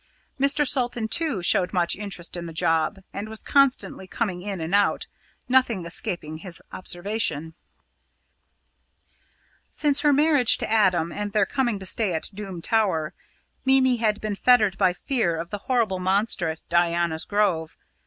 Mr. Salton, too, showed much interest in the job, and was constantly coming in and out, nothing escaping his observation. Since her marriage to Adam and their coming to stay at Doom Tower, Mimi had been fettered by fear of the horrible monster at Diana's Grove.